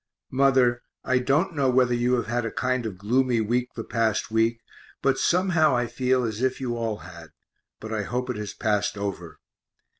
Mother, I don't know whether you have had a kind of gloomy week the past week, but somehow I feel as if you all had; but I hope it has passed over.